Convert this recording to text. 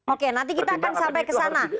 oke nanti kita akan sampai ke sana